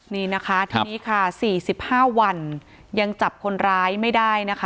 นี่นะคะทีนี้ค่ะ๔๕วันยังจับคนร้ายไม่ได้นะคะ